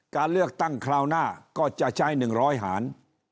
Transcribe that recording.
การเลือกตั้งคราวหน้าก็จะใช้๑๐๐หาร